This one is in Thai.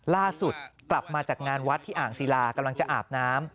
ล่าสุดกลับมาจากงานวัดที่อ่างศิลากำลังจะอาบน้ำ